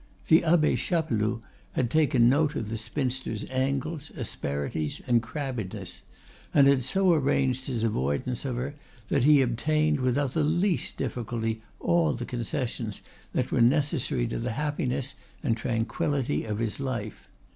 The Abbe Chapeloud had taken note of the spinster's angles, asperities, and crabbedness, and had so arranged his avoidance of her that he obtained without the least difficulty all the concessions that were necessary to the happiness and tranquility of his life.